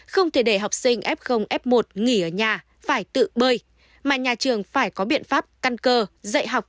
không thể để học sinh f f một nghỉ ở nhà phải tự bơi mà nhà trường phải có biện pháp căn cơ dạy học